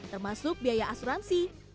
termasuk biaya asuransi